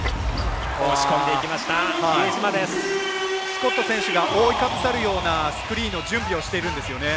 スコット選手が覆いかぶさるようなスクリーンの準備をしてるんですよね。